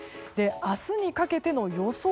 明日にかけての予想